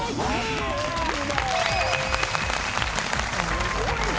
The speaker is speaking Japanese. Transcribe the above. すごいね。